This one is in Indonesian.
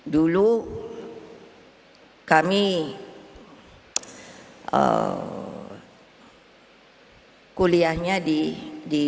dulu kami kuliahnya di